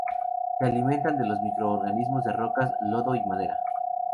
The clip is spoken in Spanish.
Se alimentan de los microorganismos de rocas, lodo y madera.